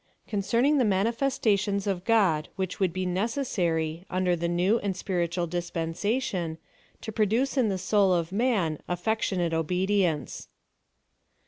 CONCERNING THE MANIFESTATIONS OF GOD WHICH WOULD BE NECESSAilY, UNDER THE NEW AND SPIRITUAL DISPENSATION, TO PRODUCE IN THE SOUL OF MAN AFFECTIONATE OBEDIENCE.